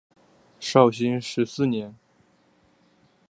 绍兴十四年。